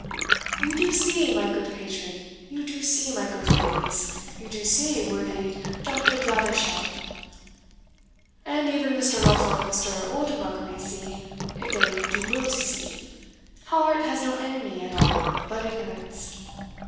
"You do see, my goot patron, you do see, my goot ladies, you do see, worthy Dr. Bladderhowl, and even Mr. Lofel and Mr. Oldenbuck may see, if they do will to see, how art has no enemy at all but ignorance.